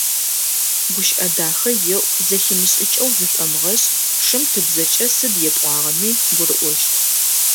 Гущыӏэ дахэ еӏу, зэхимышӏыкӏэу зышӏомыгъэшӏ, шым тыбзэкӏэ сыд епӏуагъэми гурыӏощт.